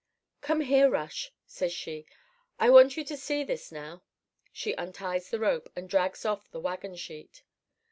"'Come here, Rush,' says she; 'I want you to see this now.' "She unties the rope, and drags off the wagon sheet.